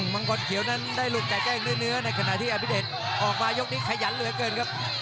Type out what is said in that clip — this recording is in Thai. มังกรเขียวนั้นได้หลุดแต่แกล้งเนื้อในขณะที่อภิเดชออกมายกนี้ขยันเหลือเกินครับ